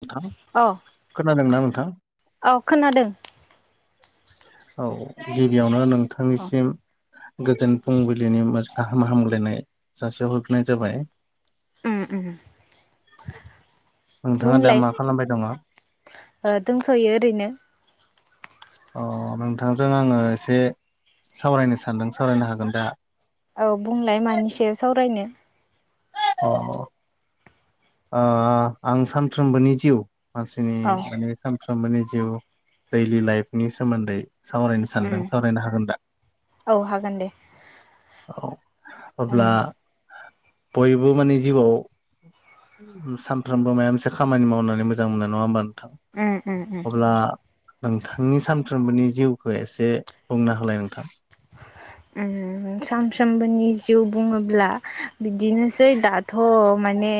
नोंथां औ खोनादोंना नोंथां? औ खोनादों औ गिबियावनो औ नोंथांनिसिम गोजोन फुंबिलिनि [unintelligible] हामग्लायनाय जासिहरग्रोनाय जाबाय। नोंथाङा दा बुंलाय मा खालामबाय दङ? ओ दोंथ'यो ओरैनो। अ नोंथांजों आङो एसे सावरायनो सानदों सावरायनो हागोन दा? औ बुंलाय मानि सायाव सावरायनो? अ ओ आं सानफ्रोमबोनि जिउ मानसिनि औ माने सानफ्रोमबोनि जिउ दैलि लाइफनि सोमोन्दै सावरायनो सानदों सावरायनो हागोन दा? औ हागोन दे औ उम अब्ला बयबो माने जिउआव सानफ्रोमबो माबा मोनसे खामानि मावनानै मोजां मोननाय नङा होमबा नों थां उम उम अब्ला नोंथांनि सानफ्रोमबोनि जिउखौ एसे बुंना होलाय नोंथां? उम सानफ्रोमबोनि जिउ बुङोब्ला बिदिनो सै दाथ' माने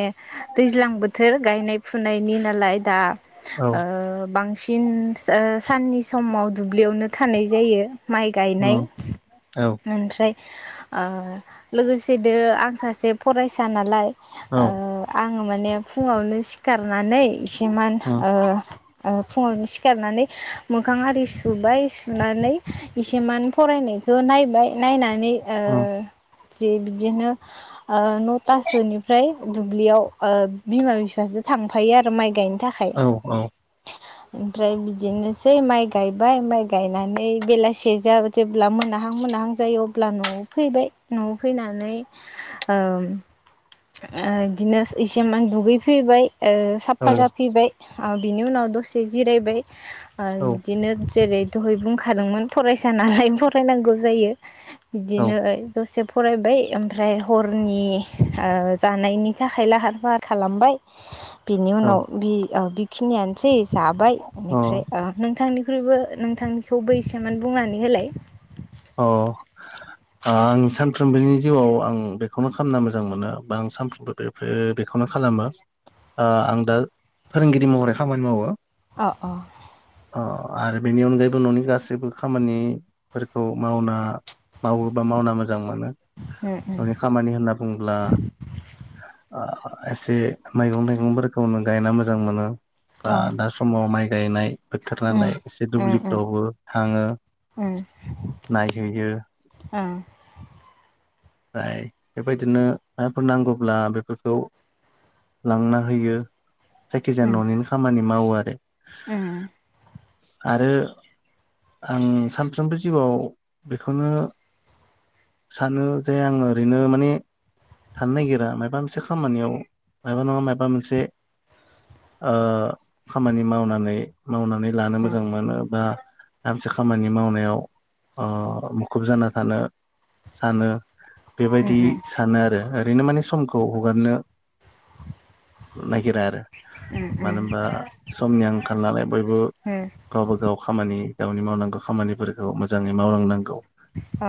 दैज्लां बोथोर गायनाय फुनायनि नालाय दा औ ओ बांसिन ओ साननि समाव दुब्लियावनो थानाय जायो। माइ गायनाय उम औ [unintelligible] ओमफ्राय लोगोसेनो आं सासे फरायसा नालाय ओ आङो माने फुङावनो सिखार नानै इसेमान उम ओ ओ फुङावनो सिखारनानै मोखां आरि सुबाय सुनानै इसे मान फरायनाय [unintelligible] नायबाय नायनानै ओ उम जि बिदिनो ओ नथासोनिफ्राय दुब्लियाव ओ बिमा बिफाजो थांफायो आरो माइ गायनो। थाखाय औ औ। ओमफ्राय बिदिनोसै माइ गायबाय माइ गायनानै बेलासे जा जेब्ला मोना हां मोनहां जायो अब्ला न'आव फैबाय न'आव फैनानै ओम ओ दिनो इसेमान दुगैफैबाय ओ औ साफा जाफिबाय ओ बिनि उनाव दसे जिरायबाय ओ बिदिनो जेरै दहाय बुंखादोंमोन फरायसा नालाय फरायनांगौ जायो औ बिदिनो दसे फरायबाय ओमफ्राय हरनि ओ जानायनि थाखाय लाहार फाहार खालामबाय बिनि उनाव बि ओ बेखिनियानोसै जाबाय बिनिफ्राय ओ नोंथांनि खैबो नोंथांनिखौ इसेमान बुंनानै होलाय? औ। आं सानफ्रोमबोनि जिउआव आं बेखौनो खालामना मोजां मोनो बा आं सानफ्रोमबो बे बेबेखौनो खालामो ओ आं दा फोरोंगिरि महरै खामानि मावो। अ अ। अ आरो बेनि अनगायैबो न'नि गासैबो खामानि औ मावना मावोबा मावना मोन मोजां मोनो उम न'नि खामानि होनना बुङोब्ला एसे मैगं थाइगंफोरखौनो गायना मोजां मोनो उम अ दा समाव माइ गायनाय बोथोर नालाय एसे दुब्लिफ्रावबो थाङो उम [unintelligible] ओमफ्राय बेबायदिनो माफोर नांगोब्ला बेफोरखौ लांना होयो जायखिजाया न'निनो खामानि मावो आरो। उम। आरो आं सानफ्रोमबो जिउआव बिखौनो सानो जे आङो ओरैनो माने थानो नागिरा मायबा मोनसे खामानियाव मायबा नङा मायबा मोनसे ओ खामानि मावनानै मावनानै लानो मोजां मोनो बा गामसे खामानि मावनायाव ओ मुखुब जाना थानो सानो उम औ उम ओ उम बेबायदि सानो आरो। ओरैनो माने समखौ हगारनो नागिरा आरो। उम मानो होनबा समनि आंखाल नालाय बयबो गावबागाव खामानि गावनि मावनांगौ खामानिफोरखौ मोजाङै मावलांनांगौ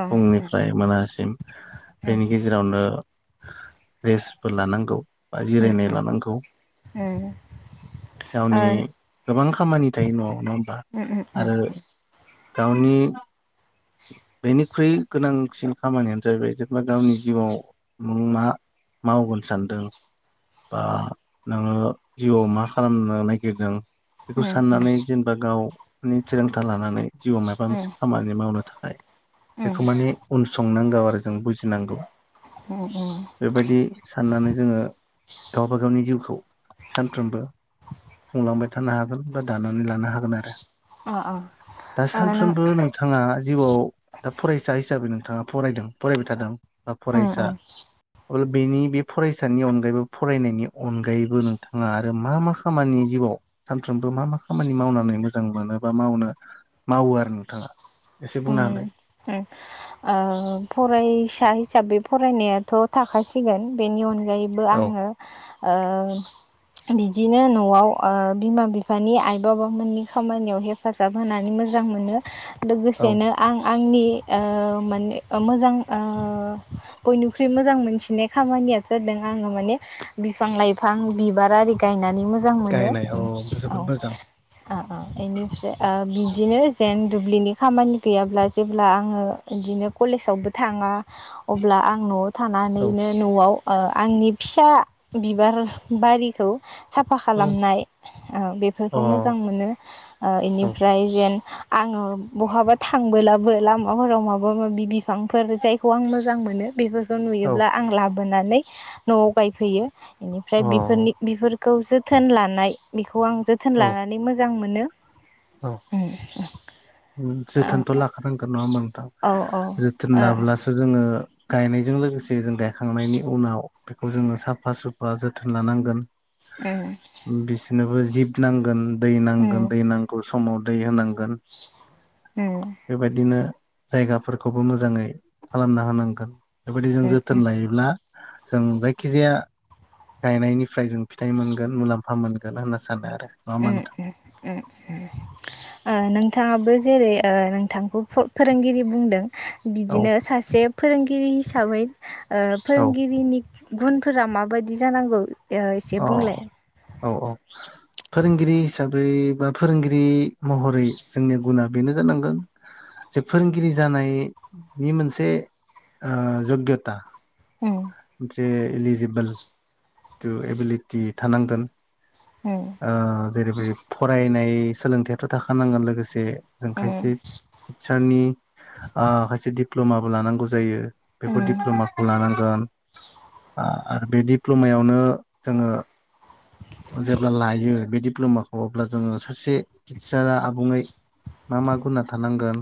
फुंनिफ्राय मोनासिम बेनि गेजेरावनो रेस्टबो लानांगौ। बा उम जिरायनाय उम लानांगौ। गावनि गोबां खामानि थायो न'आव नङा होमबा आरो गावनि बेनिख्रुइ गोनांसिन खामानियानो जाहैबाय बा गावनि जिउआव नों मा मावगोन सानदों बा नोङो जिउआव मा खालामनो नागिरदों। बेखौ साननानै जेनेबा गावनि थिरोंथा लानानै जिउआव मायबा मोनसे खामानि मावनो थाखाय बेखौ माने उनसंनांगौ आरो जों बुजिनांगौ बेबायदि साननानै जोङो गावबागावनि जिउखौ सानफ्रोमबो खुंलांबाय थानो हागोन बा दानानै लानो हा हागोन आरो अ अ दा सानफ्रोमबो नों थाङा जिउआव दा फरायसा हिसाबै नोंथाङा फरायदों फरायबाय थादों बा उम फरायसा उम अल बेनि बे फरायसानि अनगायैबो फरायनायनि अनगायैबो नोंथाङा आरो मा मा खामानि जिउआव सानफ्रोमबो मा मा खामानि मावनानै मोजां मोनो बा मावनो मावो आरो नोंथाङा? एसे बुंना होलाय। उम उम ओ फरायसा हिसाबै फरायनायाथ' थाखासिगोन बेनि अन गायैबो औ आङो ओ बिदिनो न'आव ओ बिमा बिफानि आइ बाबामोननि खामानियाव हेफाजाब हेफाजाब होनानै मोजां मोनो औ लोगोसेनो आं आंनि ओ माने मोजां ओ बयनिख्रुइ मोजां मोनसिनाय खामानिया जादों आङो माने बिफां लाइफां बिबार आरि गायनानै मोजां मोनो गायनाय औ औ बिदिनो जोबोद ओ मोजां ओ बिनिफ्राय ओ बिदिनो जेन दुब्लिनि खामानि गैयाब्ला जेब्ला आङो बिदिनो कलेजावबो थाङा अब्ला आं न'आव औ थानानैनो न'आव ओ आंनि फिसा ओ बिबार बारिखौ साफा अ खालामनाय बेफोरखौ औ मोजां मोनो ओ अ इनिफ्राय जेन आङो बहाबा थांबोलाबो लामाफोराव माबा माबा माबि बिफांफोर जायखौ आं मोजां मोनो बेफोरखौ नुयोब्ला आं लाबो बोनाने न'आव नायफैयो इनिफ्राय औ बिफोरनि बिफोरखौ जोथोन लानाय बिख खौ आं जोथोन लानानै मोजां मोनो। औ औ जोथोनथ' लाखानांगोन नङा मोनथां। औ ओ जोथोन लाब्लासो जों जोङो गायनायजों लोगोसे जों गायखांनायनि उनाव बेखौ जोङो साफा सुफा जोथोन लानांगोन। उम बिसोरनोबो जिब नांगोन दै नांगोन उम दै नांगौ समाव दै होनांगोन। उम बेबायदिनो जायगाफोरखौबो मोजाङै खालामना होनांगोन बेबायदि जों उम जोथोन लायोब्ला जों जायखिजाया गायनायनिफ्राय जों फिथाइ मोनगोन मुलाम्फा मोनगोन होनना सानो आरो नङा मा उम नोंथां उम उम ओ नोंथाङाबो जेरै ओ नोंथांखौ फोरोंगिरि बुंदों औ बिदिनो सासे फोरोंगिरि हिसाबै ओ औ फोरोंगिरिनि गुनफोरा माबायदि जानांगौ एसे अ बुंलाय औ औ फोरोंगिरि हिसाबै बा फोरोंगिरि महरै जोंनिया गुना बेनो जानांगोन जे फोरोंगिरि जानायनि मोनसे ओ जग्यथा उम जे इलिजिबोल जिथु एबिलिटि थानांगोन। उम ओ जेरैबादि फरायनाय सोलोंथायाथ' थाखानांगोन लोगोसे जों खायसे उम टिचारनि ओ खायसे दिप्ल'माबो लानांगौ जायो बेफोर उम दिडप्ल'माखौ लानांगोन बे दिप्ल'मायावनो जोङो जे अब्ला लायो बे डप्ल'माखौ अब्ला जोङो सासे टिचारा आबुङै मा मा गुना थानांगोन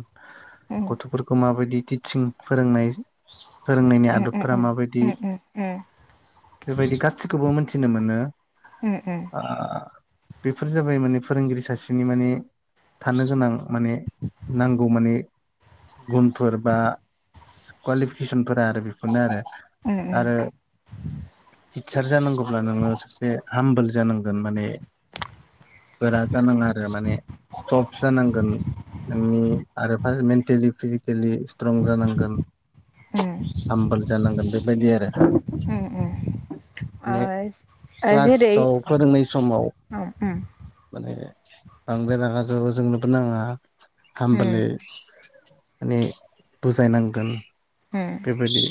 उम गथ'फोरखौ माबायदि टिचिं फोरोंनाय फोरोंनायनि उम आदबफोरा उम उम माबायदि उम बेबायदि गासिखौबो मोनथिनो मोनो उम ओ बेफोर जाबाय माने फोरोंगिरि सासेनि माने थानो गोनां माने नांगौ माने गुनफोर बा कुवालिफिकेसनफोरा आरो बेफोरनो उम उम आरो टिचार जानांगौब्ला नोङो सासे हामबोल जानांगोन माने गोरा जानाङा आरो माने सफ जानांगोन नोंनि आरो मेन्टेलि फिजिकेलि स्ट्रं जानांगोन। उम हामबोल जानांगोन बेबायदि आरो उम उम ओ माने क्लासाव फोरोंनाय समाव [inaudible] ओ उ माने बांद्राय रागाज जोंनोबो नाङा उम खामबललि माने बुजायनांगोन उम बेबायदि।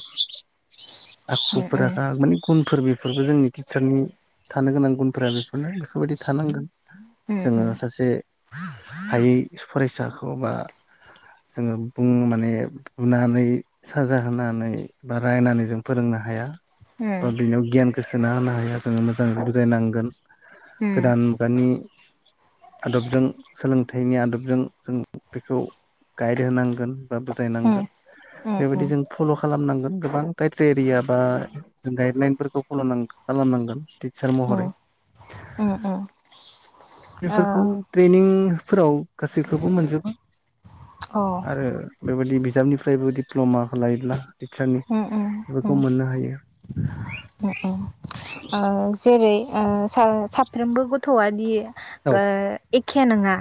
आखुफोरा उम माने गुनफोर बेफोरबो जोंनि टिचारनि थानो गोनां। उम हायै फरायसाखौ बा जोङो बुं साजा होनानै बा रायनानै जों फोरोंनो हाया बा बिनियाव गियान गोसोना होनो हाया जोङो मोजाङ बुजायनांगोन उम गोदान मुगानि आदबजों सोलोंथाइनि आदबजों जों बेखौ गाइड होनांगोन बा उम बुजायनांगोन। उम बेबायदि उम जों फल' खालामनांगोन गोबां ख्राइटेरिया बा गाइडलाइनफोरखौ फनो' खालाम नांगोन टिचार महरै। उम उम बेफोरखौ ट्रेनिंफोराव गासैखौबो मोनजोबा। आरो बेबायदि बिजाबनिफ्रायबो दिप्ल'माखौ लायोब्ला उम उम खौ उम मोननो हायो। आ जेरै आ सा साफ्रोमबो गथ'आदि औ औ एक खे नङा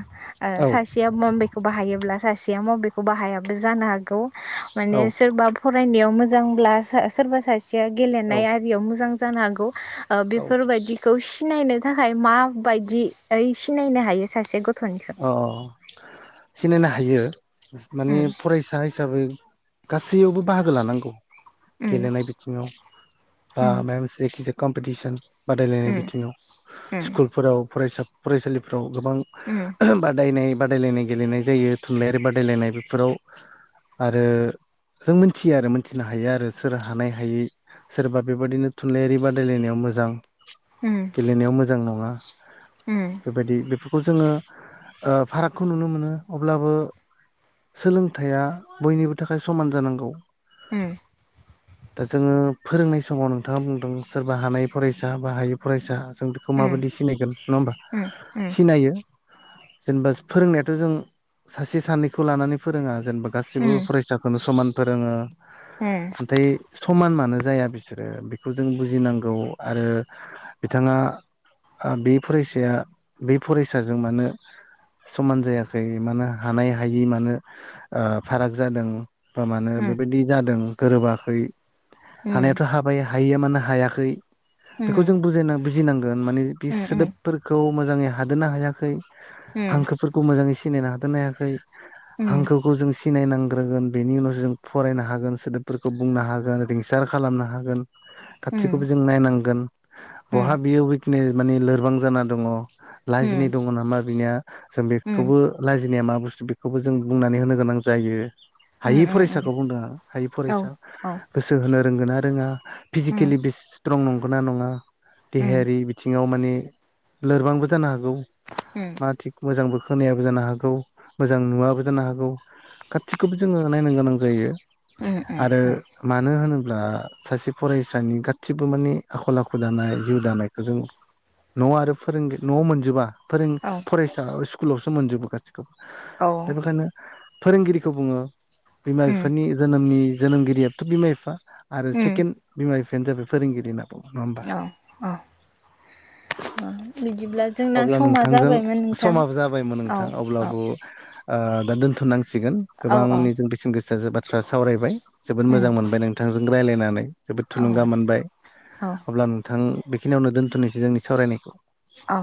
ओ सासेया मबेखौ बाहायोब्ला सासेया मबेखौ बाहायाबो जानो हागौ। माने सोरबा फरायनायाव मोजांब्ला सोरबा सासेया गेलेनाय आरियाव मोजां। जानो हांगौ बेफोरबायदिखौ सिनायनो थाखाय माबायदि सिनायनो हायो सासे गथ' अ अ सिनायनो हायो माने उम फरायसा हिसाबै गासैयावबो बाहागो लानांगौ उम गेलेनाय बिथिङाव बा मायबा मोनसे जाया। कम्पिटिसन बादायलायनाय उम बिथिङाव उम स्कुलफोराव फराय फरायसालिफ्राव गोबां उम बादायनाय बादायलायनाय गेलेनाय जायो थुनलाइयारि बादायलायनाय बेफोराव आरो जों मोनथियो आरो मोनथिनो हायो आरो सोर हानाय हायै सोरबा बेबायदिनो थुनलाइयारि बादायलायनायाव मोजां। उम गेलेनायाव मोजां नङा उम बेबायदि बेफोरखौ जोङो ओ फारागखौ नुनो मोनो अब्लाबो सोलोंथाइया बयनिबो थाखाय समान जानांगौ। उम दा जोङो फोरोंनाय समाव नोंथाङा बुंदों सोरबा हानाय फरायसा बा हायै फरायसा जों बेखौ उम माबायदि सिनायगोन नङा होमबा उम सिनायो। जेनेबा फोरोंनायाथ' जों सासे सानैखौ लानानै फोरोङा। जेनेबा गासिबो उम फरायसाखौनो समान फोरोङो नथाय समान मानो जाया बिसोरो बेखौ जों बुजिनांगौ आरो बिथाङा आ बे फरायसाया बे फरायसाजों मानो समान जायाखै मानो हानाय हायि मानो ओ फाराग जादों। फोर मानो उम उम बेबायदि जादों गोरोबाखै उम हानायाथ' हाबाया हयिया मानो हायाखै उम बेखौ जों बुजायना बुजिनांगोन माने बे उम उम सोदोबफोरखौ मोजाङै हादनो हायाखै उम हांखोफोरखौ मोजाङै सिनायनो हादेरनो हायाखै उम हांखोखौ जों सिनायनांग्रोगोन बेनि उनावसो जों फरायनो हागोन सोदोबफोरखौ बुंनो हागोन रिंसार खालामनो हागोन। उम खाथिखौबो जों नायनांगोन बहा बियो उइकनेस माने लोरबां जाना दङ। लाजिनाय। उम बा बिनिया जों उम बेखौबो लाजिनाया मा बुस्थु बेखौबो जों बुंनानै होनो गोनां जायो। उम हायै उम फरायसाखौ बुंदों आ हायै औ फरायसा औ गोसो होनो रोंगोन ना रोङा? उम फिजिकेलि बेस स्ट्रं नंगौना नङा उम देहायारि बिथिङाव माने लोरबांबो जानो हागौ मा उम थिग मोजांबो होनायाबो जानो हागौ मोजां नुवाबो जानो हागौ गासिखौबो जोङो नायनो गोनां जायो आरो मानो होनोब ब्ला सासे फरायसानि गासिबो माने आखल आखु दानाय जिउ दानायखौ जों न' आरो फोरों न'आव मोनजोबा फोरों फरायसा स्कुलावसो मोनजोबो गासिखौबो दा बेखायनो फोरोंगिरिखौ बुङो बिमा बिफानि जोनोमनि जोनोमगिरियाथ' बिमा बिफा आरो सेकेण्ड बिमा बिफायानो जाबाय फोरोंगिरिना औ औ बिदिब्ला जोंना समा जों जाबायमोन नोंथां समाबो जाबाय होनबा औ नोंथां औ अब्लाबो ओ दा दोनथ नांसिगोन सिगोन औ औ गोबांनि जों बेसेन गोसा बाथ्रा सावरायबाय जोबोद उम मोजां मोनबाय नोंथांजों रायज्लायनानै जोबोद औ थुलुंगा मोनबाय औ अब्ला नोंथां बेखिनियावनो दोनथनोसै जोंनि सावरायनायखौ औ